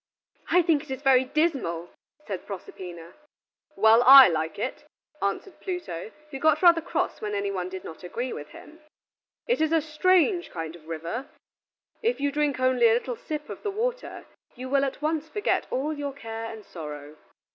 "I think it is very dismal," said Proserpina. "Well, I like it," answered Pluto, who got rather cross when any one did not agree with him. "It is a strange kind of river. If you drink only a little sip of the water, you will at once forget all your care and sorrow.